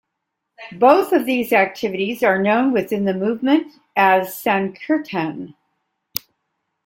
Both of these activities are known within the movement as "Sankirtan".